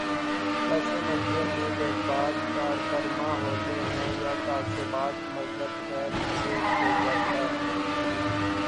پس منظر میں جذبات کارفرما ہوتے ہیں یا تعصبات مذہب خیر کی ایک قوت ہے۔